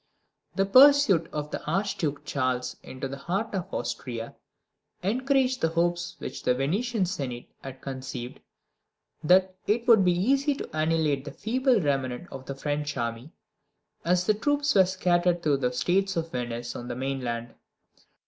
The pursuit of the Archduke Charles into the heart of Austria encouraged the hopes which the Venetian Senate had conceived, that it would be easy to annihilate the feeble remnant of the French army, as the troops were scattered through the States of Venice on the mainland.